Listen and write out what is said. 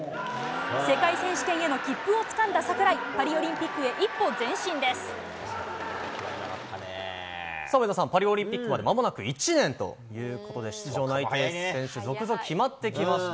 世界選手権への切符をつかんだ櫻井、パリオリンピックへ一歩前進上田さん、パリオリンピックまでまもなく１年ということでしたが、出場内定選手、続々決まってきました。